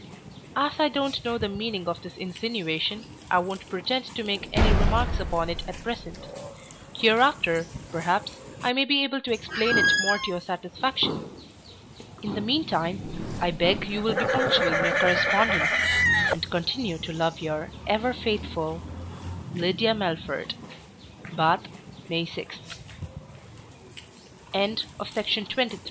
As I don't know the meaning of this insinuation, I won't pretend to make any remarks upon it at present: hereafter, perhaps, I may be able to explain it more to your satisfaction In the mean time, I beg you will be punctual in your correspondence, and continue to love your ever faithful LYDIA MELFORD BATH, May 6. To Sir WATKIN PHILLIPS, of Jesus col